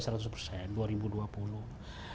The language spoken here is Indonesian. kita mungkin satu satunya negara yang